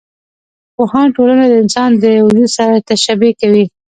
پوهان ټولنه د انسان د وجود سره تشبي کوي.